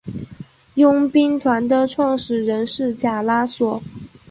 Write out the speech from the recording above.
佣兵团的创始人是贾拉索。